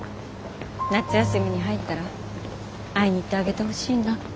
夏休みに入ったら会いに行ってあげてほしいな。